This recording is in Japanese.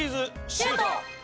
シュート！